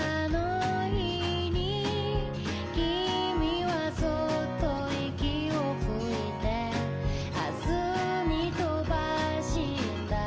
「きみはそっと息を吹いて」「明日に飛ばした」